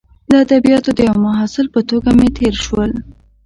د ادبیاتو د یوه محصل په توګه مې تیر شول.